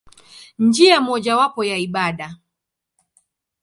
Njia mojawapo ya ibada.